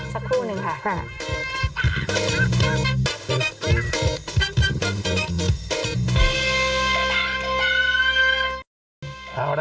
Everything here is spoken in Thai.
สักครู่หนึ่งค่ะค่ะค่ะ